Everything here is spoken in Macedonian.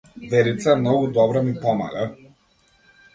Верица е многу добра ми помага.